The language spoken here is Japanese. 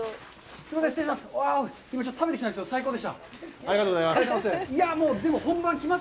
すみません、失礼します。